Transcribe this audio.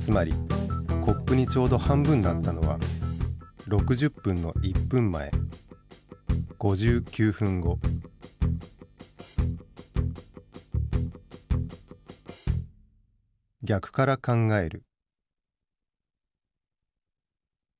つまりコップにちょうど半分だったのは６０分の１分前５９分後。逆から考える。